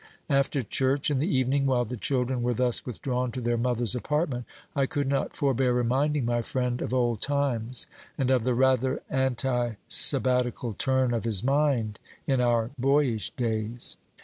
After church in the evening, while the children were thus withdrawn to their mother's apartment, I could not forbear reminding my friend of old times, and of the rather anti sabbatical turn of his mind in our boyish days.